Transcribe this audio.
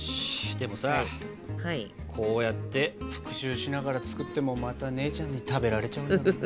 でもさこうやって復習しながら作ってもまた姉ちゃんに食べられちゃうんだろうなあ。